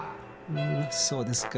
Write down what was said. んーそうですか。